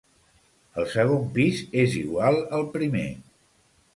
El segon pis és igual al primer.